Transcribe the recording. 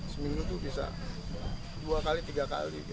seminggu itu bisa dua kali tiga kali